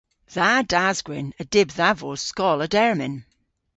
Dha das-gwynn a dyb dha vos skoll a dermyn.